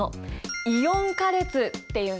イオン化列っていうんだ。